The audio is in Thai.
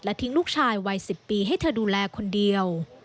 ทิ้งลูกชายวัย๑๐ปีให้เธอดูแลคนเดียว